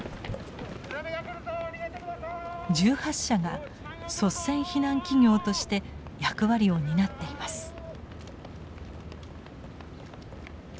１８社が率先避難企業として役割を担っています。